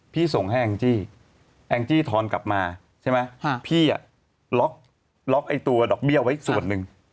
ส่งให้แองจี้แองจี้ทอนกลับมาใช่ไหมพี่ล็อกไอ้ตัวดอกเบี้ยไว้ส่วนหนึ่ง